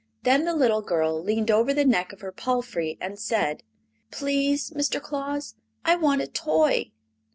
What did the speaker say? Then the little girl leaned over the neck of her palfrey and said: "Please, Mr. Claus, I want a toy!"